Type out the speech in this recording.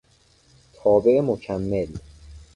تابع مکمل